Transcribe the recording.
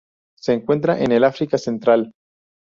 Se encuentra en el África Central.